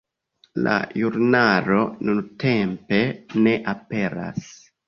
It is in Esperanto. La ĵurnalo nuntempe ne aperas.